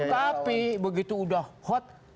tapi begitu udah hot